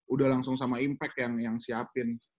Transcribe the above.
udah langsung sama impact yang siapin